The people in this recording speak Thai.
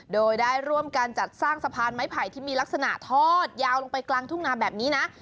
โดยได้ร่วมการจัดสร้างสะพานไม้ไผ่ที่มีลักษณะทอดยาวลงไปกลางทุ่งนาแบบนี้นะ